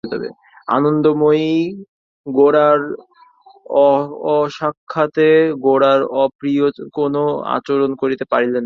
আনন্দময়ী গোরার অসাক্ষাতে গোরার অপ্রিয় কোনো আচরণ করিতে পারিলেন না।